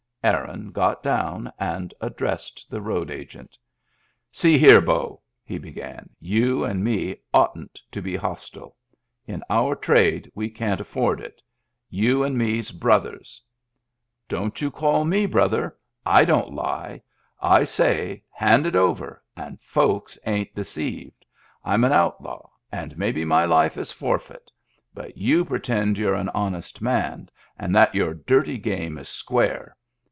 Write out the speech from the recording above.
Aaron got down and addressed the road agent. "See here, beau," he began, "you and me oughtn't to be hostile. In our trade we can't afford it. You and me*s brothers." "Don't you call me brother. I don't lie. I say * hand it over' and folks ain't deceived. I'm an outlaw and, maybe, my life is forfeit. But you pretend you're an honest man and that your dirty game is square.